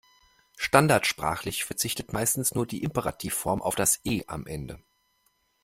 Standardsprachlich verzichtet meistens nur die Imperativform auf das E am Ende.